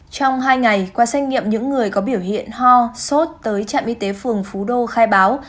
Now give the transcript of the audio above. trong hai ngày qua xét nghiệm những người có biểu hiện ho sốt tới trạm y tế phường phú đô khai báo